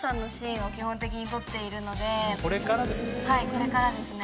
これからですね。